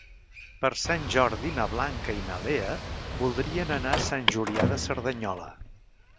Per Sant Jordi na Blanca i na Lea voldrien anar a Sant Julià de Cerdanyola.